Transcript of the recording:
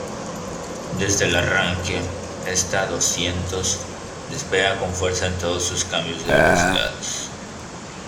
Desde el arranque, esta "doscientos" despega con fuerza en todos sus cambios de velocidades.